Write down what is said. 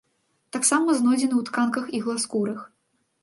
Таксама знойдзены ў тканках ігласкурых.